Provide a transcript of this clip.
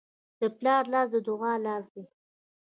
د پلار لاس د دعا لاس دی.